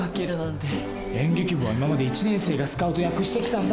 演劇部は今まで１年生がスカウト役してきたんだ。